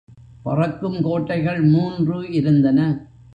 பறக்கும் கோட்டைகள் மூன்று இருந்தன.